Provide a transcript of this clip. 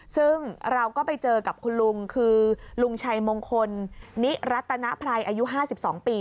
ซึ่งเราก็ไปเจอกับคุณลุงคือลุงชัยมงคลนิรัตนภัยอายุ๕๒ปี